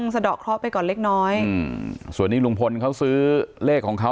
สะดอกเคราะห์ไปก่อนเล็กน้อยอืมส่วนนี้ลุงพลเขาซื้อเลขของเขา